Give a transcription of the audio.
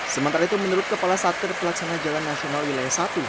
sementara itu menurut kepala satker pelaksana jalan nasional wilayah satu